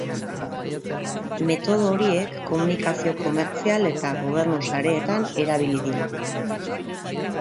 Metodo horiek komunikazio komertzial eta gobernu sareetan erabili dira.